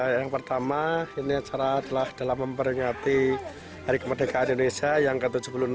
yang pertama ini acara telah dalam memperingati hari kemerdekaan indonesia yang ke tujuh puluh enam